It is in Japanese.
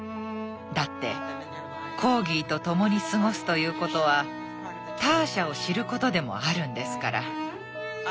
だってコーギーと共に過ごすということはターシャを知ることでもあるんですから。